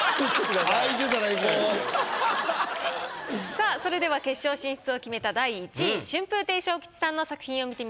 さあそれでは決勝進出を決めた第１位春風亭昇吉さんの作品を見てみましょう。